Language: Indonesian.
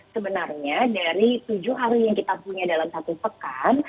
sebenarnya dari tujuh hari yang kita punya dalam satu pekan